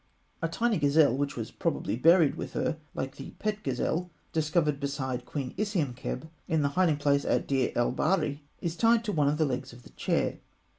A tiny gazelle which was probably buried with her, like the pet gazelle discovered beside Queen Isiemkheb in the hiding place at Deir el Baharî, is tied to one of the legs of the chair.